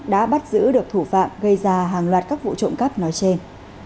đã bắt giữ được thủ phạm gây ra hàng loạt các vụ trộm cắp nói trên